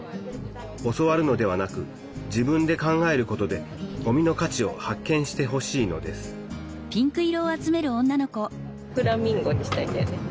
教わるのでなく自分で考えることでごみの価値を発見してほしいのですウフフフフ。